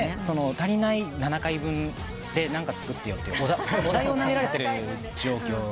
「足りない７回分で何か作ってよ」ってお題を投げられてる状況。